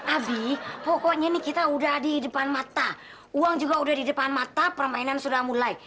abi pokoknya nih kita udah di depan mata uang juga udah di depan mata permainan sudah mulai